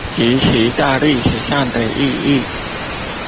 及其在歷史上的意義